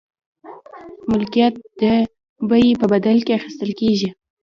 ملکیت د بیې په بدل کې اخیستل کیږي.